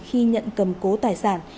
khi nhận cầm cố tài sản